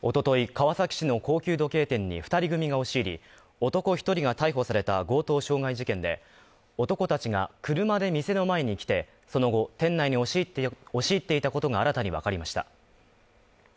川崎市の高級時計店に２人組が押し入り男１人が逮捕された強盗傷害事件で、男たちが車で店の前に来て、その後、店内に押し入っていたことが新たにわかりました。